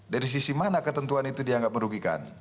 dari sisi mana ketentuan itu dianggap merugikan